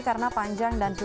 karena panjang dan jauh